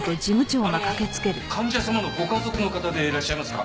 あの患者様のご家族の方でいらっしゃいますか？